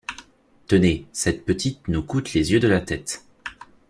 Tenez, cette petite nous coûte les yeux de la tête.